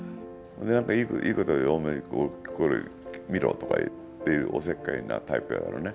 なんかいいこと「これ見ろ」とか言ってるおせっかいなタイプだからね。